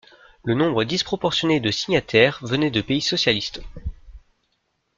Le nombre disproportionné de signataires venait de pays socialistes.